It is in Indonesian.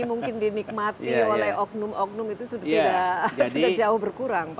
mungkin dinikmati oleh oknum oknum itu sudah jauh berkurang